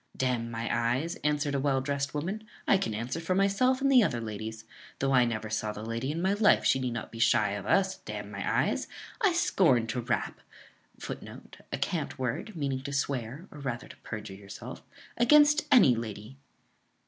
"D n my eyes!" answered a well dressed woman, "I can answer for myself and the other ladies; though I never saw the lady in my life, she need not be shy of us, d n my eyes! I scorn to rap [Footnote: A cant word, meaning to swear, or rather to perjure yourself] against any lady."